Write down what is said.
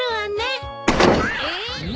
えっ。